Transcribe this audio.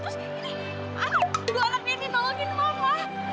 terus ini anak anak nenek nolongin mama